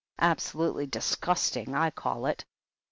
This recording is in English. Absolutely disgusting, I call it."